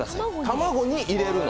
卵に入れるの？